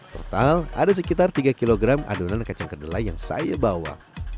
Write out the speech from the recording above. total ada sekitar tiga kg adonan kacang kedelai yang saya bawa